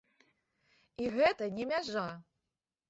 І гэта не мяжа!